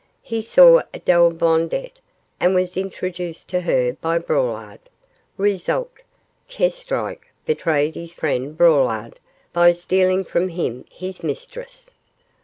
He saw Adele Blondet, and was introduced to her by Braulard; result, Kestrike betrayed his friend Braulard by stealing from him his mistress.